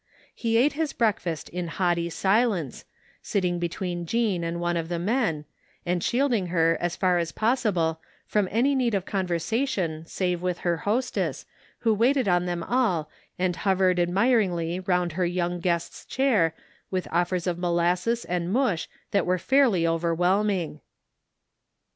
He ate his breakfast in haughty silence, sitting between Jean and one of the men, and shield ing her as far as possible from any need of conversa tion save with her hostess who waited on them all and hovered admiringly round her young gist's chair with offers of molasses and mush that were fairly over whelming.